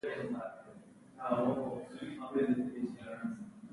زما لپټاپ لږ ګرمېږي، لکه چې ریم یې کم دی.